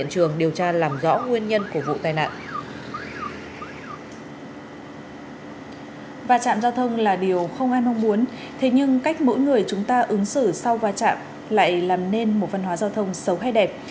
các mỗi người chúng ta ứng xử sau va chạm lại làm nên một văn hóa giao thông xấu hay đẹp